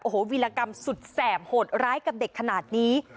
โอ้โหวิรากรรมสุดแสบโหดร้ายกับเด็กขนาดนี้